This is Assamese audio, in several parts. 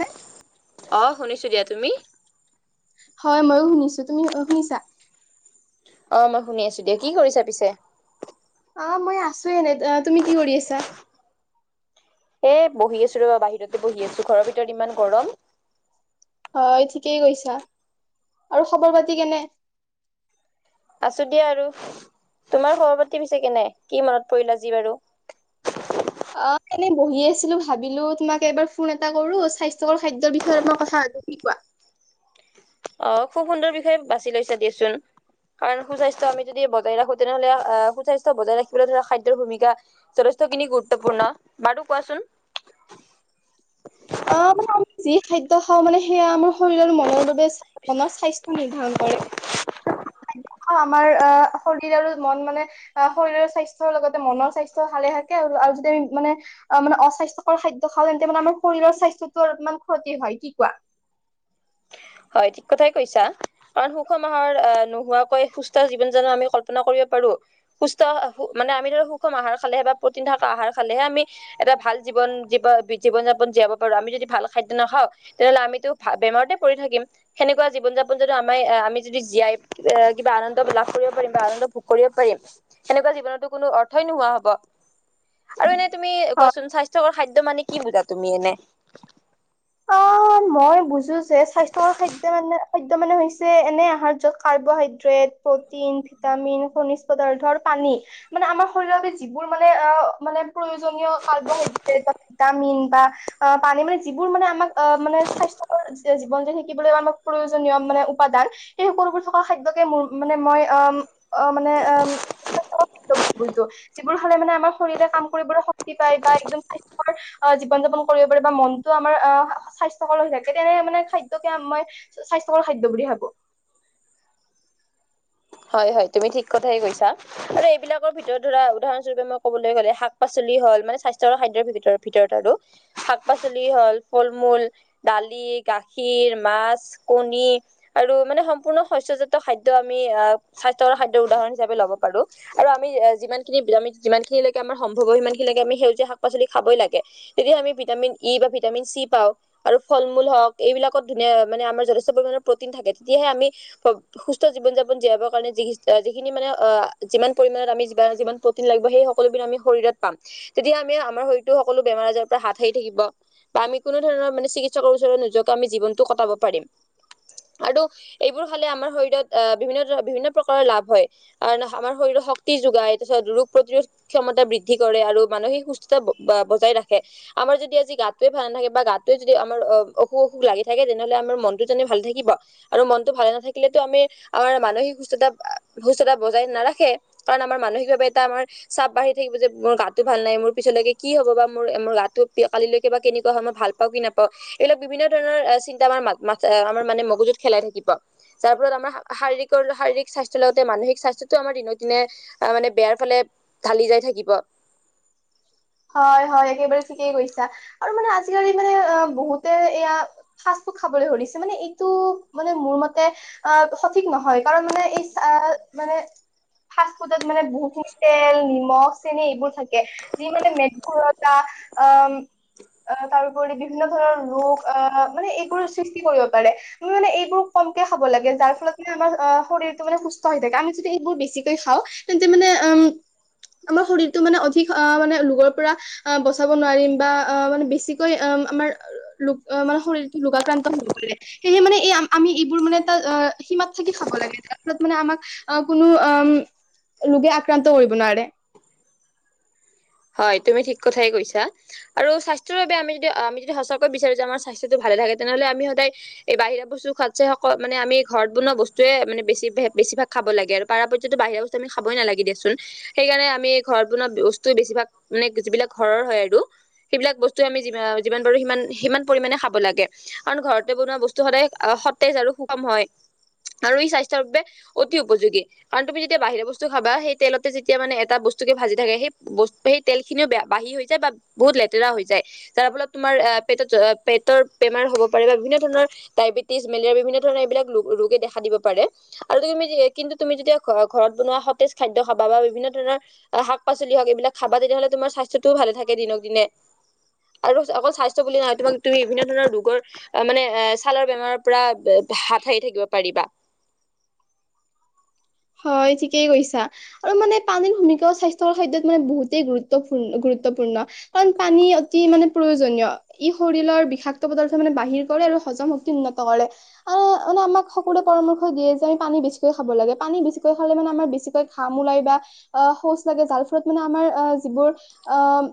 নে? অ শুনিছোঁ দিয়া তুমি হয় ময়ো শুনিছো তুমি শুনিছা অ মই শুনি আছো দিয়া‌ কি কৰিছা পিছে অ মই আছো এনে তুমি কি কৰি আছা এ বহি আছো ৰবা বাহিৰতে বহি আছো ঘৰৰ ভিতৰত ইমান গৰম হয় ঠিকেই কৈছা আৰু খবৰ পাতি কেনে আছো দিয়া আৰু তোমাৰ সভাপাতি পিছে কেনে কি মনত পৰিল আজি বাৰু [unintelligible] অ এনে বহি আছিলো ভাবিলো তোমাক এবাৰ ফোন এটা কৰো স্বাস্থ্যকৰ খাদ্যৰ বিষয়ে অলপ মই কথা কি কোৱা। অ খুব সুন্দৰ বিষয়ে বাছি লৈছা দিয়াচোন। কাৰণ সুস্বাস্থ্য আমি যদি বজাই ৰাখো তেনেহ'লে আহ সুস্বাস্থ্য বজাই ৰাখিবলৈ ধৰা খাদ্যৰ ভূমিকা যথেষ্ট। কিনি গুৰুত্বপূৰ্ণ বাৰু কোৱাচোন [unintelligible] অ মানে আমি যি খাদ্য খাওঁ মানে সেয়া আমাৰ শৰীৰৰ মনৰ বাবে মনৰ স্বাস্থ্য নিৰ্ধাৰণ কৰে। আমাৰ অ শৰীৰ আৰু মন মানে অ শৰীৰৰ স্বাস্থ্যৰ লগতে মনৰ স্বাস্থ্য। স্বাস্থ্য ভালে থাকে আৰু যদি আমি মানে অ মানে অস্বাস্থ্যকৰ খাদ্য খাওঁ তেন্তে মানে আমাৰ। শৰীৰৰ স্বাস্থ্যটো অলপমান ক্ষতি হয় কি কোৱা হয় ঠিক কথাই কৈছা কাৰণ সুখ মাহৰ নোহোৱাকৈ সুস্থ জীৱন জানো আমি কল্পনা কৰিব পাৰো। সুস্থ মানে আমি ধৰে সুষম আহাৰ খালে বা প্ৰটিন থকা আহাৰ খালেহে আমি এটা ভাল জীৱন জীৱ জীন যাপন জীয়াব পাৰো আমি যদি ভাল খাদ্য নাখাওঁ তেনেহ'লে আমিতো ভ বেমাৰতে পৰি থাকিম সেনেকুৱা কুৱা জীৱন যাপন যদি আমাৰ আহ আমি যদি জীয়াই আহ কিবা আনন্দ লাভ কৰিব পাৰিম বা আনন্দ ভোগ কৰিব পাৰিম এনেকুৱা জীৱনতো কোনো অৰ্থই নোহোৱা হব আৰু এনে তুমি অ কোৱাচোন স্বাস্থ্যকৰ খাদ্য মানে কি বুজা তুমি এনে অ', মই বুজো যে স্বাস্থ্যকৰ খাদ্যই মানে খা ত মানে হৈছে এনে আহাৰ য'ত কাৰ্বহাইড্ৰেট প্ৰটিন ভিটামিন খনিজ পদাৰ্থৰ পানী মানে আমাৰ শৰীৰৰ মোৰ মানে অ মানে প্ৰয়োজনীয় কাৰ্ব হাইড্ৰেত বা ভিটামিন বা পানী মানে মানে আমাক মানে স্বাস্থ্যকৰ জীৱন যেন শিকিবলৈ প্ৰয়োজনীয় মানে উপাদান সেই থ খাদ্যকে মোৰ মানে মই অ মানে যিবোৰ খালে মানে আমাৰ শৰীৰে কাম কৰিবলৈ শক্তি পায় বা একদম স্বাস্থ্যৰ জীৱন যাপন কৰিব পাৰে বা মন যিটো আমাৰ অ' স্বাস্থ্যকৰ হৈ থাকে তেনে মানে খাদ্য কে মই স্বাস্থ্যকৰ খাদ্য বুলি ভাবো। [inaudible] হয়- হয় তুমি ঠিক কথাই কৈছা আৰু এইবিলাকৰ ভিতৰত ধৰা উদাহৰণস্বৰূপে মই কবলৈ গ'লে শাক- পাচলি শাক -পাচলি হল মানে স্বাস্থ্য আৰু খাদ্যৰ ভিতৰত আৰু শাক- পাচলি হল, ফল -মূল, দালি গাখীৰ, মাছ, কণী আৰু মানে সম্পূৰ্ণ শস্যজাত খাদ্য আমি স্বাস্থ্যকৰ খাদ্য উদাহৰণ হিচাপে লব পাৰো আৰু আমি যিমানখিনি আমি যিমান খিনিলকে আমাৰ সম্ভৱ সিমানখিনি সেউজীয়া শাক -পাচলি খাবই লাগে, তেতিয়া আমি ভিটামিন ই বা ভিটামিন চি পাওঁ আৰু ফল- মূল হ'ক এইবিলাকত ধুনীয়া মানে আমাৰ যথেষ্ট পৰিমানৰ প্ৰটিন থাক তেতিয়াহে আমি সুস্থ জীবন- যাপন জীয়াব [unintelligible] যিখিনি মানে যিমান পৰিমাণত আমি যিমা- যিমান প্ৰটিন লাগিব সেই সকলোবোৰ আমি শৰীৰত পাম। তেতিয়া আমি আমাৰ শৰীৰতো সকলো বেমাৰ- আজাৰৰ পা হাত সাৰি থাকিব বা আমি কোনো ধৰণৰ মানে চিকিৎসকৰ ওচৰল জত আমি জীৱন টো কটাব পাৰিম আৰু এইবোৰ হলে আমাৰ শৰীৰত অ' বিভিন্ন ধৰণৰ বিভিন্ন প্ৰকাৰৰ লাভ হয় কাৰ আমাৰ শৰীৰৰ শক্তি যোগায় তাৰছত ৰোগ প্ৰতিৰোধ ক্ষমতা বৃদ্ধি কৰে। আৰু মানসিক সুস্থতা বজাই ৰাখে। আমাৰ যদি আজি গাতটোয়ে ভাল নাথাকে বা গাতটোয়ে যদি আমাৰ অ অসু -অসুখ লাগি থাকে তেনেহ'লে আমাৰ মনতো যেনে ভাল থাকিব আৰু মনটো ভালে নাথাকিলেতো আমি আমাৰ মানসিক সুস্থতা -সুস্থতা বজাই নাৰাখে কাৰণ আমাৰ মানসিকভাৱে এটা আমাৰ চাপ বাঢ়ি থাকিব যে মোৰ গাতো ভাল নাই মোৰ পিছলৈকে কি হ'ব বা মোৰ মোৰ গাটো কালিলৈকে বা কেনেকুৱা হয় মই ভাল পাওঁ কি নাপাও এইবিলাক বিভিন্ন ধৰণৰ চিন্তা আমাৰ মাত -মাথে আমাৰ মানে মগজুত খেলাই থাকিব যাৰ ফলত আমাৰ শাৰীৰিক শাৰীৰিক স্বাস্থ্যৰ লগতে মানসিক স্বাস্থ্যটো আমাৰ দিনক দিনে মানে বেয়াৰ ফালে ঢালি যাই থাকিব। [inaudible] হয় -হয় একেবাৰে ঠিকেই কৈছা আৰু মানে আজিকালি মানে অহ বহুতে এয়া খাবলৈ ধৰিছে মানে এইটো মানে মোৰ মতে আ সঠিক নহয় কাৰণ মানে এই মানে ফাষ্ট ফুডত মানে বহুখিনি তেল, নিমখ, চেনি এইবোৰ থাকে [unintelligible] অ', তাৰউপৰি বিভিন্ন ধৰণৰ ৰোগ আহ মানে এইবোৰ সৃষ্টি কৰিব পাৰে মই মানে এইবোৰ কমকে খাব লাগে যাৰ ফলত মানে অহ শৰীৰটো মানে সুস্থ হৈ থাকে। আমি যদি এইবোৰ বেছিকে খাওঁ তেন্তে মানে উম, আমাৰ শৰীৰটো মানে অধিক অ', মানে ৰোগৰ পৰা আ' বচাব নোৱাৰিম বা আ', মানে বেছিকৈ আমাৰ ৰোগ মানে শৰীৰ ৰোগাক্ৰান্ত হব পাৰে সেহে মানে আমি এইবোৰ মানে ত' সীমাত থাকি খাব লাগে তাৰ ফলত মানে আমাক অ' কোনো উম ৰোগে আক্ৰান্ত কৰিব নোৱাৰে। হয়, তুমি ঠিক কথাই কৈছা আৰু স্বাস্থ্যৰ বাবে আমি যদি -আমি যদি সঁচাকৈই বিচাৰো যে আমাৰ স্বাস্থ্যটো ভালে থাকে তেনেহ'লে আমি সদায় এই বাহিৰা বস্তু খোৱাতচেই মানে আমি ঘৰত বনোৱা বস্তুৱে মানে বেছি-বেছিভাগ খা খাব লাগে আৰু পাৰা পৰ্যতটোত বাহিৰা বস্তু আমি খাবই নালাগে দিয়া চোন হেই কাৰণে আমি ঘৰত বনোৱা বস্তু বেছিভাগ মানে যিবিলাক ঘৰৰ হয় আৰু সেইবিলাক বস্তু আৰু আমি যিমান পাৰো সিমান - সিমান পৰিমণে খাব লাগে। কাৰণ ঘৰতে বনোৱা বস্তু সদায় সতেজ আৰু সুষম হয়। আৰু ই -স্বাস্থ্যৰ বাবে অতি উপযোগী কাৰণ তুমি যেতিয়া বাহিৰা বস্তু খাবা সেই তেলতে যেতিয়া মানে এটা বস্তু বস্তুকে ভাজি থাকে সেই বস্তু সেই তেল খিনিও বেয়া বাহি হৈ যায় বা বহুত লেতেৰা হৈ যায় যাৰ ফলত তোমাৰ পেটত পেটৰ বেমাৰ হব পাৰে বা বিভিন্ন ধৰণৰ ডাইবেটিছ, মেলেৰিয়া বিভিন্ন ধৰণৰ এইবিলাক ৰোগে দেখা দিব পাৰে আৰু তুমি কিন্তু তুমি যেতিয়া ঘ -ঘৰত বনোৱা সতেজ খাদ্য খাবা বা বিভিন্ন ধৰণৰ শাক- পাচলি হওঁক এইবিলাক খাবা তেনেহ'লে তোমাৰ স্বাস্থ্যটোও ভালে থাকে দিনক দিনে আৰু অকল স্বাস্থ্য বুলি নহয় তোমাক তুমি বিভিন্ন ধৰণৰ ৰোগৰ মানে এ' ছালৰ বেমাৰৰ পৰা হাত সাৰি থাকিব পাৰিবা। হয়, ঠিকেই কৈছা আৰু মানে পানীৰ ভূমিকাও স্বাস্থ্যৰ খাদ্যত মানে বহুতেই গুৰুত্বপূৰ্ণ - গুৰুত্ব গুৰুত্বপূৰ্ণ কাৰণ পানী অতি মানে প্ৰয়োজনীয় ই শৰীৰৰ বিষাক্ত পদাৰ্থ মানে বাহিৰ কৰে আৰু হজম শক্তি উন্নত কৰে আৰু মানে আমাক সকলোৱে পৰামৰ্শ দিয়ে যে আমি পানী বেছিকৈ খাব লাগে। পানী বেছিকৈ খলে মানে আমাৰ বেছিকৈ ঘাম ওলায় বা শৌচ লাগে জাল ফলত মানে আমাৰ আ যিবোৰ অম,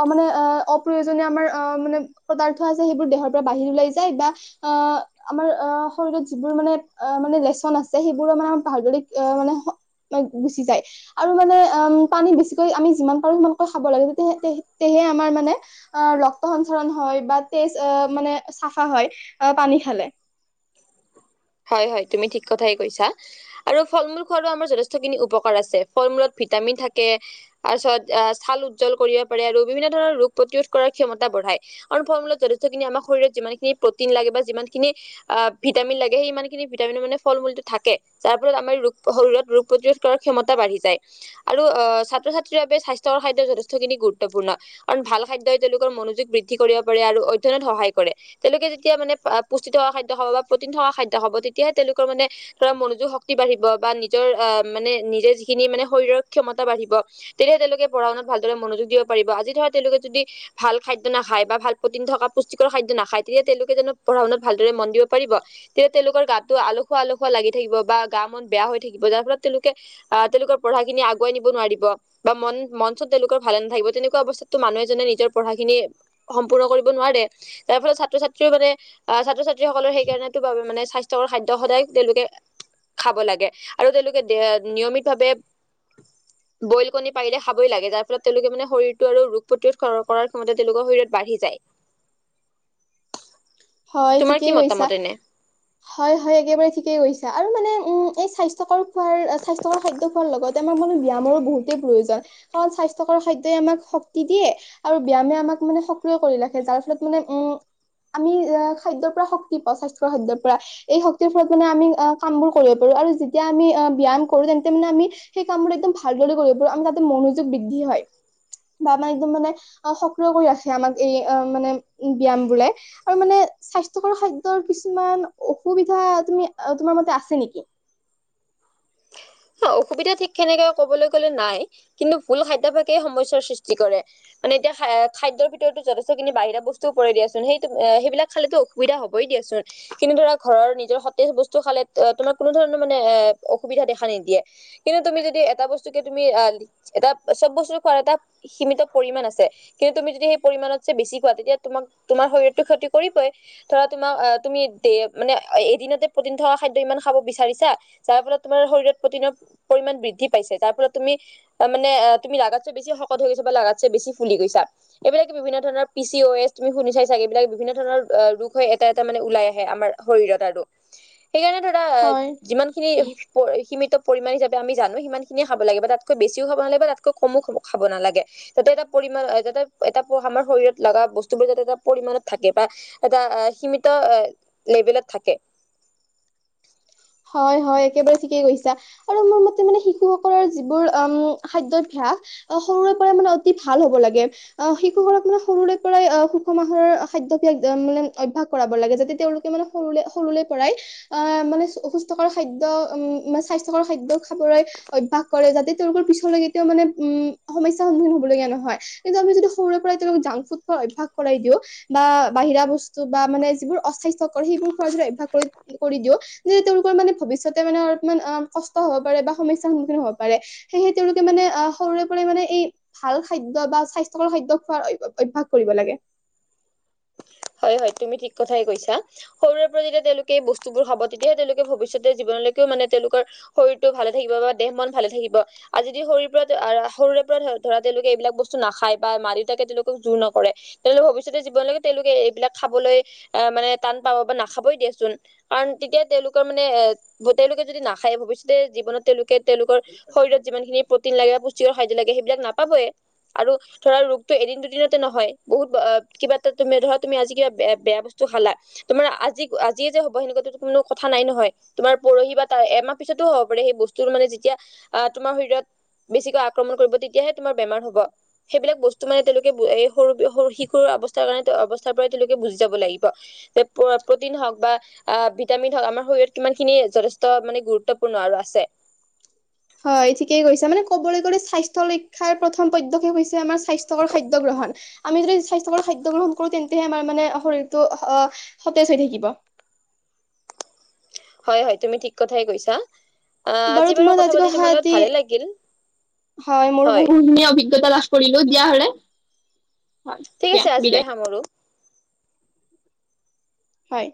অ', মানে আহ অপ্ৰয়োজনীয় আমাৰ অহ মানে পদাৰ্থ আছে সেইবোৰ দেহৰ পৰা বাহিৰ ওলাই যায় বা অহ, আমাৰ অ', শৰীৰত যিবোৰ মানে অ' মানে লেচন আছে সেইবোৰ আমাৰ [unintelligible] গুচি যায় আৰু মানে উম পানী বেছিকৈ আমি যিমান পাৰো সিমানকৈ খাব লাগে তেতিয় তেহে আমাৰ মানে ৰক্ত সঞ্চাৰন হয় বামা তেজ মানে চাফা হয় [unintelligible] হয় হয় তুমি ঠিক কথাই কৈছা আৰু ফল মূল খোৱাৰো আমাৰ যথেষ্টখিনি উপকাৰ আছে ফল মূলত ভিটামিন থাকে, তাৰপিছত ছাল উজ্জ্বল কৰিব পাৰে, আৰু বিভিন্ন ধৰণৰ ৰোগ প্ৰতিৰোধ কৰাৰ ক্ষমতা বঢ় ফল মূলত যেখিনি আমাৰ শৰীৰত যিমানখিন প্ৰটিন লাগে বা যিমান খিনি আহ ভিটামিন লাগে। স ইমানখিনি ভিটামিন মানে ফল মূলটো থাক যাৰ ফলত আমাৰ ৰোগ শৰীৰত ৰোগ প্ৰতিৰোধ কৰাৰ ক্ষমতা বাঢ়ি যায়। আৰু আহ ছাত্ৰ ছাত্ৰীৰ বাবে স্বাস্থ্যৰ খাদ্য যথেষ্টখিনি গুৰুত্বপূৰ্ণ কাৰণ ভাল খাদ্যয় তেওঁলোকৰ মন বৃদ্ধি কৰিব পাৰে আৰু অধ্যয়ন সহায় কৰে তেওঁলোকে যেতিয়া মানে পুষ্টিত থকা খাদ্য খাব বা প্ৰটিন থকা খাদ্য হ'ব তেতিয়াহে তেওঁলোকৰ মানে ধৰা মনোযোগ শক্তি বাঢ়িব বা নিজৰ আহ মানে নিজে যিখিনি মানে শৰীৰ ক্ষমতা বাঢ়িব। তেতিয়া তেওঁলোকে পঢ়াশুনাৰ ভালৰে মনযোগ দিব পাৰিব আজি ধলোকে য ভাল। খাদ্য নাখায় বা ভাল প্ৰ থকা পুষ্টিকৰ খাদ্য নাখায় তেতিয়া তেওঁলোকেন পঢ়াশুনাত মন দিব পাৰিব তেতিয়া তেওঁলোকৰ গাতটো আলহুৱা আলহুৱা লাগি থাকিব বা গা মন বেয়া হৈ থাকিব যাৰ ফলত তেওঁলোকে আহ তেওঁলোকৰ গাই নিব নিব বা মন মন চন তেওঁলোকৰ ভাল নাথাকিব তেনেকুৱা অৱস্থাতো মানুহনে নিজৰ পঢাখিনি সম্পূৰ্ণ কৰিব নোৱাৰে তাৰ ফলত ছাত্ৰ ছাত্ৰীও মানে আহ ছাত্ৰ ছাত্ৰীসকলৰ সেইকাৰণে। মানে স্বাস্থ্যৰ খাদ্য সদায় তেওঁলোকে। খাব লাগে আৰু তেওঁলোকে দে নিয়মিত ভাৱে। বইল কণী পাৰিলে খাবই লাগে যাৰ ফলত তেওঁলোকে মানে শৰীৰটো আৰু ৰোগ প্ৰতিৰোধ কৰাৰ ক্ষমতে তেওঁলোকৰ শৰীৰত বাঢ়ি। যায়। [inaudible] হয় তোমাৰ কি ঠিকেই কৈছা। মতামত এনে হয় হয় একেবাৰে ঠিকেই গৈছো আৰু মানে উম এই স্বাস্থ্যকৰ খোৱাৰ স্বাস্থ্যকৰ খাদ্য খোৱাৰ লগত। আমাক মানে ব্যায়ামৰো বহুতেই প্ৰয়োজন কাৰণ স্বাস্থ্যকৰ খাদ্যই আমাক শক্তি দিয়ে আৰু ব্যায়ামে আমাক। মানে সক্ৰিয় কৰি ৰাখে যাৰ ফলত মানে উম। আমি অঁ খাদ্যৰ পৰা শক্তি পাওঁ স্বাস্থ্যৰ খাদ্যৰ পৰা এই শক্তিৰ ফলত মানে আমি কাম বোৰ কৰিব পাৰো আৰু। যেতিয়া আমি ব্যায়াম কৰো তেন্তে মানে আমি সেই কামবোৰ একদম ভালদৰে কৰিব পাৰো আমাৰ তাতে মনোযোগ বৃদ্ধি হয়। বা আমাক একদম মানে সক্ৰিয় কৰি ৰাখে আমাক এই মানে ব্যায়ায়াম বোৰে। হয় মানে। স্বাস্থ্যকৰ খাদ্যৰ কিছুমান অসুবিধা তুমি তোমাৰ মতে আছে নেকি। [inaudible] হ অসুবিধা ঠিক সেনেকে কবলৈ গলে নাই কিন্তু ভুল খাদ্যভাগেই সমস্যাৰ সৃষ্টি কৰে মানে এতিয়া খাদৰ ভিতৰতো যথেষ্টিনি বি ব্তুওৰে দিয়াচোন সেই সেইবিলাকালেতো অসবিা হ'বই দিয়াচোন। কিন্তু ধৰা ঘৰৰ নিজৰ সতেজ বস্তু খালে তোমাক কোনো ধৰণৰ মানে এ অসুবিধা দেখা নি। দিয়ে কিন্তু তুমি যদি এটা বস্তুকে তুমি এটা চব বস্তু খোৱাৰ এটা সীমিত পৰিমাণ। আছে কিন্তু তুমি যদি হেই পৰিমাণতকৈ বেছি খোৱা তেতিয়া তোমাক তোমাৰ শৰীৰত টো ক্ষয়টি কৰিবই ধৰা তোমাৰ। অঁ তুমি দে মানে এদিনতে প্ৰটিন থকা খাদ্য ইমান খাব বিচাৰিছা যাৰ ফলত তোমাৰ শৰীৰত। নৰ পৰিমাণ বৃদ্ধি পাইছে তাৰ ফলত তুমি মানে তুমি গাতছে বেছি শকত হৈ গৈছ বলা বেছি। ফুলি গৈছা এইবিলাক বিভিন্ন ধৰণৰ পি চি অও এছ তুমি শুনি চাই চাগে এইবিলাক বিভিন্ন ধৰণৰ ৰখ হয় এটা এটা। মানে ওলাই আহে আমাৰ শৰীৰতো সেইকাৰণে ধৰা হয় যিমান খিনি প। পৰিাণ হিচাপে আমি জানো সিমান খিনিয়ে খাব লাগে বা তাতকৈ বেছিও খাব নাগে বা তাতকৈ কমো খাব নালাগে তাতে এটা। পৰিম যাতে এটা আমাৰ শৰীৰত লগা বস্তুবোৰ যাতে এটা পৰিমণত থাকে বা এটা সীমিত। লেভেলত থাকে। [inaudible] হয় হয় একেবাৰে ঠিকেই কৈছা আৰু মোৰ মতে মানে শিশুসকলৰ যিবোৰ খাদ্যত ভ। সৰুৰে পৰাই মানে অতি ভাল হব লাগে অ শিশু ঘক মানে সৰুৰে পৰাই সুষম আহাৰৰ। খাদ্যভিয়াখ মানে অভ্যায়াস কৰাব লাগে যাতে তেওঁলোকে মানে সৰুলে সৰুৰে পৰাই আহ মানে অসুস্থকৰ খাদ্য উ মানে স্বাস্থকাৰ খাদ্য খাবলৈ অভ্যয়াস কৰে যাতে তেওঁলোকৰ পিছলৈকে তেওঁ মানে। উম সমস্যা সন্মুখীন হবলগীয়া নহয় কিন্তু আমি যদি সৰুৰে পৰাই তেওঁলক জাংক ফুড অভ্যাস কৰাই দিওঁ। বা বাহিৰা বস্তু বা মানে যিবোৰ অস্বাস্থকৰ সেইবোৰ খোৱা যদি অভ্যায়াস কৰি কৰি দিও। যে তেওঁলোকৰ মানে ভৱিষ্যতে মানে অলপমান অ কষ্ট হ'ব পাৰে বা সম্যাৰ সন্মুখীন হ'ব পাৰে সেয়ে তেওঁলোকে মানে। সৰুৰে পৰা মানে এই ভাল খাদ্য বা স্বাস্থ্যকৰ খাদ্য খোৱাৰ অভ্যাস কৰিব লাগে। [inaudible] হয় তুমি ঠিক কৈছা সৰুৰে পৰা যেতিয়া তেওঁলোকে বস্তুবোৰ খাব তেতিয়াহে তেওঁলোকে ভৱিষ্যতে জীৱনলৈকে মানে তেওঁলোকৰ শৰীৰটো ভালে থাকিব বা দেহ মন ভালে থাকিব আজি দি শৰীৰ পৰা সৰুৰে পৰা ধৰা তেওঁলোকে এইবিলখক বস্তু নাখায় বা মা দেউতাকে তেওঁলোকক জোৰ নকৰে তেওঁলোকে ভৱিষ্যতে জীনলৈ তেওঁলোকে এই- বিলাক খাবলৈ আহ মানে টান পাব বা নাখাবই দিয়াচোন কাৰণ তেতিয়া তেওঁলোকৰ মানে এ তেওঁলোকে যদি নাখায় ভৱিষ্যতে জীৱনত তেওঁলোকে তেওঁলোক শৰীৰত যিমান খিনি প্ৰটিন লাগে বা পুষ্টিকৰ খাদ্য লাগে সেইবিলাক নাপাবয়ে আৰু ধৰা ৰোগতটো এদিন দুদিনতে নহয়, বহুত কিবা এটা ত মেৰু হত তুমি আজি কিবা ব বেয়া বস্তু খালা তোমাৰ আজি আজিয়ে যে হ'ব সেনেকুৱা কোনো কথা নাই নহয়, তোমাৰ পৰহি বা তাৰ এমাহ পিছতো হ'ব পাৰে সেই বস্তু মানে যেতিয়া তোমাৰ শৰীৰত বেছিকৈ আক্ৰমণ কৰিব তেতিয়াহে তোমাৰ বেমাৰ হ'ব। সেইবিলাক বস্তু মানে তেওঁলোকে এই সৰু সৰু শিশুৰ অৱস্থাৰ কাৰণে অৱ- ছাইপাৰ তুলিকে বুজি যাব লাগিব তে প্ৰ প্ৰটিন হক বা আ ভিটামিন হ আমাৰ শৰীৰত কিমানখিনি। যথেষ্ট মানে গুৰুত্বপূৰ্ণ আৰু আছে। [inaudible] হয়, ঠিকেই কৈছে মানে ক'বলৈ গ'লে স্বাস্থ্য ৰক্ষাৰ প্ৰথম পদ্যক্ষেপ হৈছে আমাৰ স্বাস্থ্যকৰ খাদ্য গ্ৰহ- আমি যদি স্বাস্থ্যকৰ খাদ্য গ্ৰহণ কৰো, তেন্তেহে আমাৰ মানে শৰীৰটো আহ সতেজ হৈ থাকিব। [inaudible] হয়, হয় তুমি ঠিক কথাই কৈছা। আহ, আজি বাৰু কথা পাতি তোমাৰ লগত ভালে লাগিল। হয়, মোৰো বহুিনি অভিজ্ঞতা লাভ কৰিলো দিয়া হ'লে। হয় ঠিক দিয়া আছে আজিলৈ বিদায় সামৰো। হয়।